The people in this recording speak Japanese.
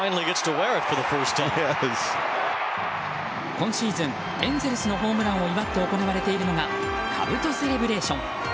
今シーズンエンゼルスのホームランを祝って行われているのはかぶとセレブレーション。